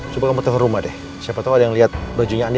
coba kamu tahu rumah deh siapa tahu ada yang lihat bajunya andi